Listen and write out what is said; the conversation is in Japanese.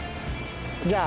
じゃあ。